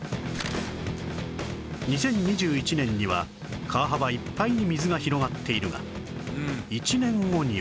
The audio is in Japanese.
２０２１年には川幅いっぱいに水が広がっているが１年後には